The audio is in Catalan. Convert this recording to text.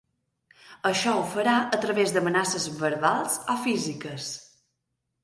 Això ho farà a través d’amenaces verbals o físiques.